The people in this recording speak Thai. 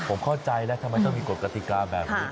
ผมเข้าใจแล้วทำไมต้องมีกฎกติกาแบบนี้